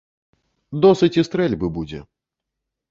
Досыць і стрэльбы будзе!